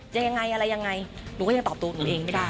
ยังไงอะไรยังไงหนูก็ยังตอบตัวหนูเองไม่ได้